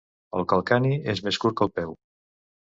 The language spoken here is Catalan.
El calcani és més curt que el peu.